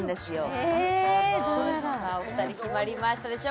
なるほどさあお二人決まりましたでしょうか？